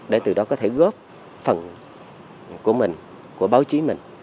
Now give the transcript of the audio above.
để từ đó có thể góp phần của mình của báo chí mình